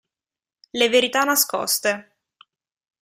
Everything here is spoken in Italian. Le verità nascoste